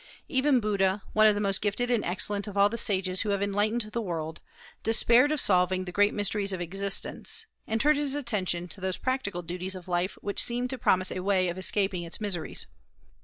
Even Buddha, one of the most gifted and excellent of all the sages who have enlightened the world, despaired of solving the great mysteries of existence, and turned his attention to those practical duties of life which seemed to promise a way of escaping its miseries.